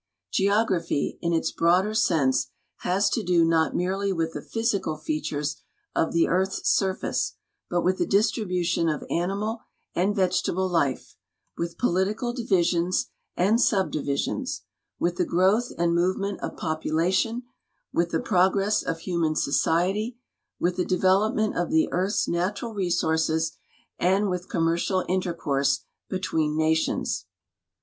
Geography in its broader sense has to do not merely with the physical featured of the earth's surface, but with the distribution of animal and vegetable life, with political divisions and subdi visions, with the growth and movement of population, with the progress of human society, with the development of the earth's natural resources, and with commercial intercourse between na tions.